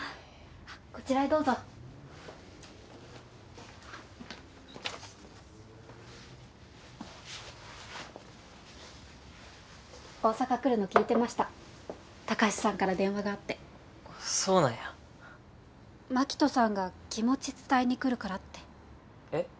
こちらへどうぞ大阪来るの聞いてましたタカシさんから電話があってそうなんやマキトさんが気持ち伝えに来るからってえっ？